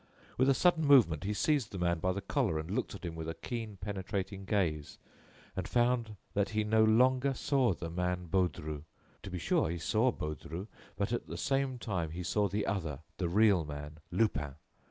With a sudden movement, he seized the man by the collar and looked at him with a keen, penetrating gaze; and found that he no longer saw the man Baudru. To be sure, he saw Baudru; but, at the same time, he saw the other, the real man, Lupin.